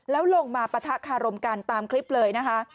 แล้วลงมาปะทะคารมกันตามคลิปเลยนะคะ